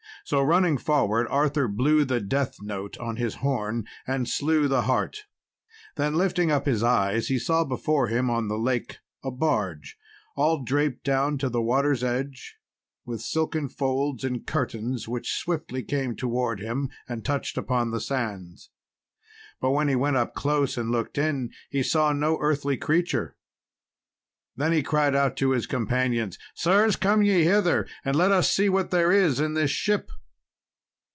So, running forward, Arthur blew the death note on his horn, and slew the hart. Then lifting up his eyes he saw before him on the lake a barge, all draped down to the water's edge, with silken folds and curtains, which swiftly came towards him, and touched upon the sands; but when he went up close and looked in, he saw no earthly creature. Then he cried out to his companions, "Sirs, come ye hither, and let us see what there is in this ship."